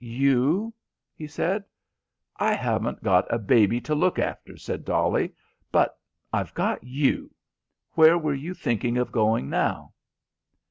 "You?" he said. "I haven't got a baby to look after," said Dolly. "But I've you. Where were you thinking of going now?"